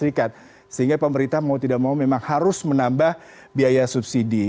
jadi pemerintah mau tidak mau memang harus menambah biaya subsidi